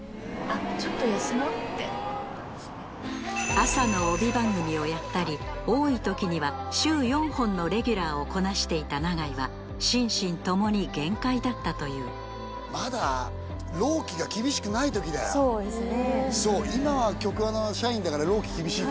朝の帯番組をやったり多い時には週４本のレギュラーをこなしていた永井は心身ともに限界だったというまだ・そうですね